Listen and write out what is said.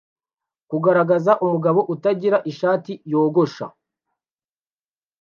Kugaragaza umugabo utagira ishati yogosha